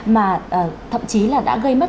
mà thậm chí là đã gây mất